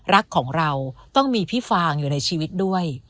รักของเราต้องมีพี่ฟางอยู่ในชีวิตด้วย